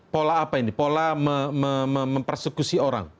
pola apa ini pola mempersekusi orang